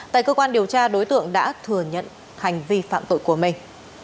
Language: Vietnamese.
tại cơ quan điều tra đối tượng đã thừa nhận hành vi phạm tội của mình